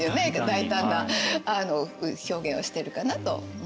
大胆な表現をしてるかなと思います。